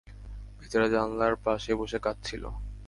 বেচারা জানালার পাশে বসে কাদঁছিল।